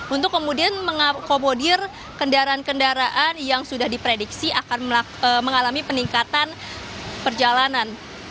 untuk kemudian mengakomodir kendaraan kendaraan yang sudah diprediksi akan mengalami peningkatan perjalanan